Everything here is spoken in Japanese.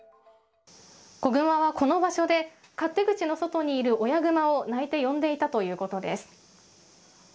子グマはこの場所で勝手口の外にいる親グマを鳴いて呼んでいたということです。